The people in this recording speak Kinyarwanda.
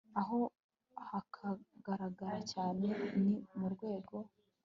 aho kagaragara cyane ni mu rwego